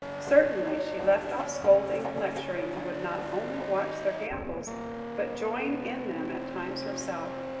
Certainly she left off scolding and lecturing, and would not only watch their gambols, but join in them at times herself.